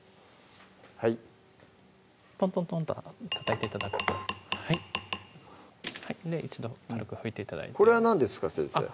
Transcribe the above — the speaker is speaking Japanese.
はいトントントンとたたいて頂くと一度軽く拭いて頂いてこれは何ですか？